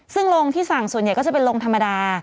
ซึ่งลงที่สั่งส่วนใหญ่ก็จะเป็นลงธรรมดา